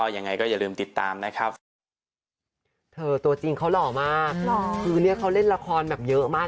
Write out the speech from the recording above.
อย่างไรก็อย่าลืมติดตามนะครับ